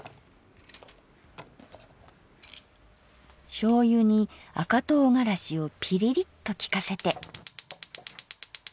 醤油に赤とうがらしをピリリと利かせて。